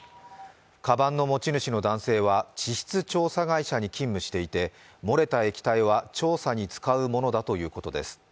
かばんの持ち主の男性は地質調査会社に勤務していて、漏れた液体は調査に使うものだということです。